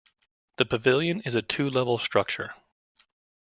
The pavilion is a two-level structure.